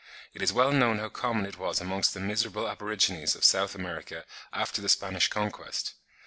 It is well known how common it was amongst the miserable aborigines of South America after the Spanish conquest.